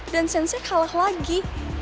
dan sensei kalah lagi